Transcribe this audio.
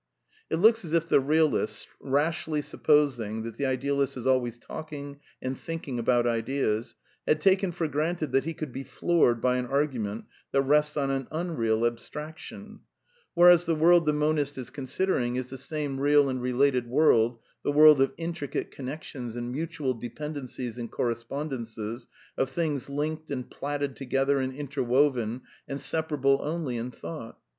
It looks as if the realist, rashly supposing that the ideal ist is always talking and thinking about ideas, had taken for granted that he could be floored by an argument that rests on an unreal abstraction; whereas the world the monist is considering is the same real and related world, the world of intricate connections and mutual dependencies and correspondences, of things linked and platted together and interwoven, and separable only in thought.